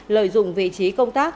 lợi dụng vị trí công tác